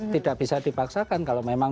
tidak bisa dipaksakan kalau memang